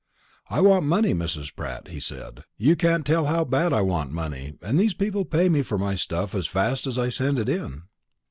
'I want money, Mrs. Pratt,' he said; 'you can't tell how bad I want money, and these people pay me for my stuff as fast as I send it in.'